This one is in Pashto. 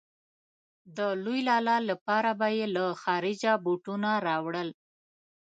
د لوی لالا لپاره به يې له خارجه بوټونه راوړل.